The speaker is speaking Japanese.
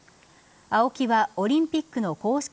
ＡＯＫＩはオリンピックの公式